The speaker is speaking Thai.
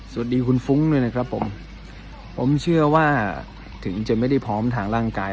สวัสดีคุณฟุ้งด้วยนะครับผมผมเชื่อว่าถึงจะไม่ได้พร้อมทางร่างกาย